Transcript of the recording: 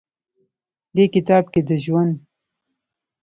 دې کتاب کښې د ژوند